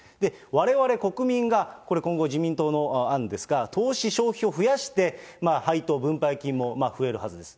われわれ国民がこれ、今後自民党の案ですが、投資、消費を増やして配当・分配金も増えるはずです。